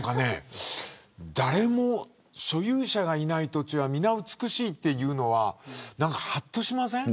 誰も所有者がいない土地は皆美しいというのははっとしません。